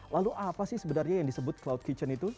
lalu apa sih sebenarnya yang disebut cloud kitchen itu